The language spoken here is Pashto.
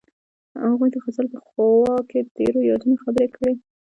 هغوی د غزل په خوا کې تیرو یادونو خبرې کړې.